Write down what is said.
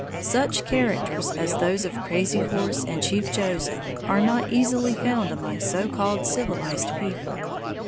Such characters as those of Crazy Horse and Chief Joseph are not easily found among so called civilized people.